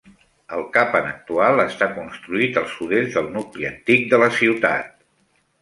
El Kapan actual està construït al sud-est del nucli antic de la ciutat.